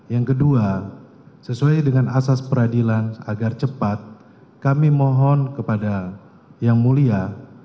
yang kedua sesuai dengan asas peradilan agar cepat kami mohon kepada yang mulia